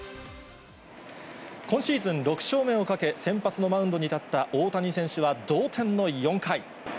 今シーズン、６勝目をかけ、先発のマウンドに立った大谷選手は同点の４回。